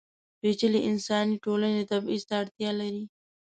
پېچلې انساني ټولنې تبعیض ته اړتیا لري.